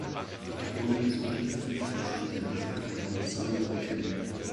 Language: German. Peter Vroom besuchte die öffentlichen Schulen seiner Heimat und dann die "Somerville Academy".